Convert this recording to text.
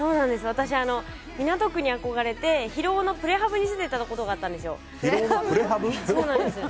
私、港区に憧れて広尾のプレハブに住んでたことがあったんです。